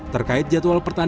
terkait jadwal pertanian